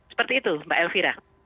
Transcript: seperti itu mbak elvira